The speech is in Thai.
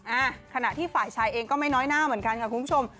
อ่าขณะที่ฝ่ายชายเองก็ไม่น้อยหน้าเหมือนกันค่ะคุณผู้ชม